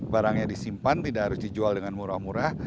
barangnya disimpan tidak harus dijual dengan murah murah